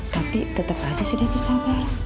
tapi tetap aja si dapik sampai